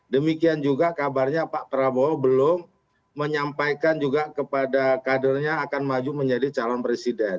demikian juga kabarnya pak prabowo belum menyampaikan juga kepada kadernya akan maju menjadi calon presiden